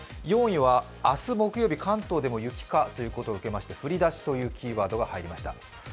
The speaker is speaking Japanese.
４位は明日木曜日、関東でも雪かということを受けまして、「降り出し」というキーワードが入りました。